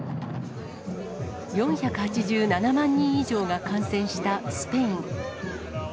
４８７万人以上が感染したスペイン。